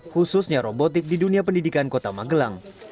khususnya robotik di dunia pendidikan kota magelang